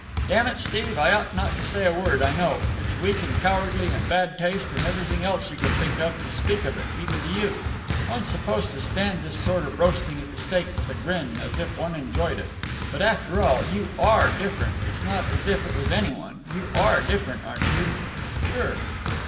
"Damn it! Steve, I ought not to say a word, I know. It's weak and cowardly and bad taste and everything else you can think of to speak of it—even to you. One's supposed to stand this sort of roasting at the stake with a grin, as if one enjoyed it. But, after all, you are different. It's not as if it was any one. You are different, aren't you?" "Sure."